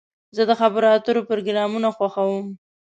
زه د خبرو اترو پروګرامونه خوښوم.